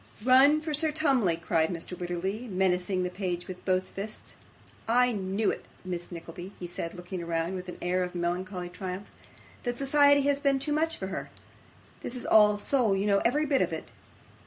'Run for Sir Tumley,' cried Mr. Wititterly, menacing the page with both fists. 'I knew it, Miss Nickleby,' he said, looking round with an air of melancholy triumph, 'that society has been too much for her. This is all soul, you know, every bit of it.